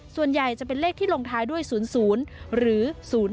ส่วนใหญ่จะเป็นเลขที่ลงท้ายด้วย๐๐หรือ๐๕